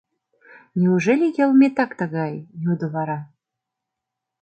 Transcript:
Неужели йылметак тыгай? — йодо вара.